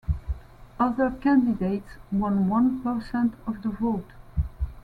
Other candidates won one percent of the vote.